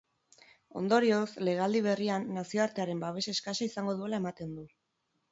Ondorioz, legealdi berrian nazioartearen babes eskasa izango duela ematen du.